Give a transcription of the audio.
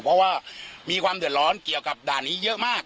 เพราะว่ามีความเดือดร้อนเกี่ยวกับด่านนี้เยอะมาก